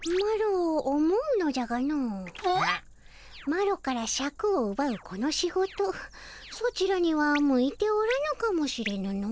マロからシャクをうばうこの仕事ソチらには向いておらぬかもしれぬの。